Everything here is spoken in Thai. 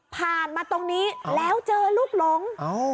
มาตรงนี้แล้วเจอลูกหลง